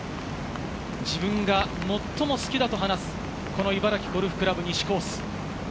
自分が最も好きだと話す、茨城ゴルフ倶楽部西コース。